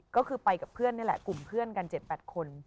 ก็คือไปกับเพื่อนนี่แหละกลุ่มเพื่อนกัน๗๘คน